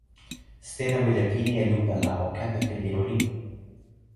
sina wile pini e lupa la o kepeken ilo ni.